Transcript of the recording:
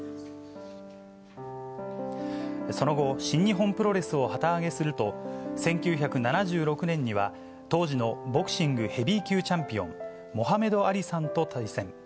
その後、新日本プロレスを旗揚げすると、１９７６年には、当時のボクシングヘビー級チャンピオン、モハメド・アリさんと対戦。